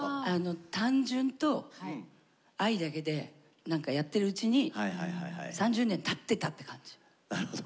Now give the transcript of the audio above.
単純と愛だけでなんかやってるうちに３０年たってたって感じ。